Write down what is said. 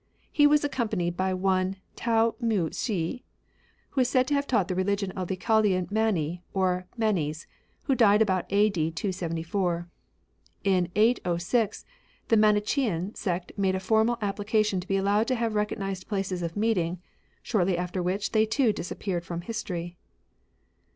He was accompanied by one Ta mou shS, who is said to have taught the reUgion of the Chal dean Mani, or Manes, who died about a.d. 274. In 807 the Manichaean sect made formal ap plication to be allowed to have recognised places of meeting ; shortly after which they too disappear from history.